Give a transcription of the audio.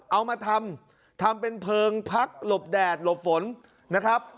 เอามาทำทำเป็นเพลิงพักหลบแดดหลบฝนนะครับ